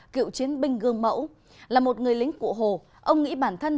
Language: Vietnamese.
cựu chiến binh gương mẫu là một người lính cụ hồ ông nghĩ bản thân